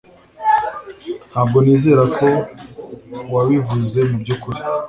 Ntabwo nizera ko wabivuze mubyukuri.